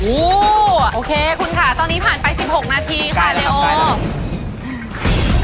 โอ้โหโอเคคุณค่ะตอนนี้ผ่านไป๑๖นาทีค่ะเรโอ